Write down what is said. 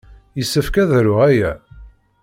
Yessefk ad aruɣ aya?